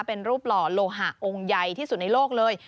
เป็นรูปหล่อโลหะองค์ใหญ่ที่สุดในโลกเลย